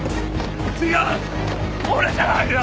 違う俺じゃないんだ！